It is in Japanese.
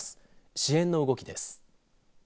支援の動きです。